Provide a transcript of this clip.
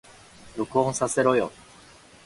録音させろよ